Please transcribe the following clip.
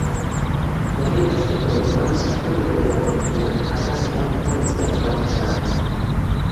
Berridazteko orduan sartu dituelako bideoak, argazkiak eta beste hainbat osagai.